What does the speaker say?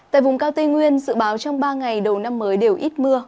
tại vùng cao tây nguyên dự báo trong ba ngày đầu năm mới đều ít mưa